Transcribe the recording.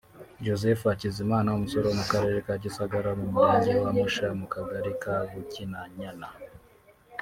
Joseph Hakizimana umusore wo mu Karere ka Gisagara mu Murenge wa Musha mu Kagari ka Bukinanyana